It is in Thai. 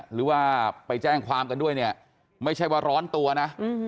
หรือว่าไปแจ้งความกันด้วยเนี่ยไม่ใช่ว่าร้อนตัวนะ